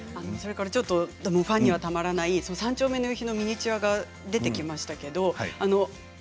ファンにはたまらない「三丁目の夕日」のミニチュアが出てきましたよね。